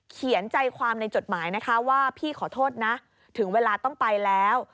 ใจความในจดหมายนะคะว่าพี่ขอโทษนะถึงเวลาต้องไปแล้ว